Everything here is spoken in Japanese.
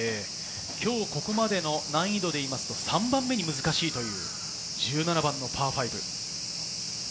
今日ここまでの難易度でいうと３番目に難しい１７番のパー５。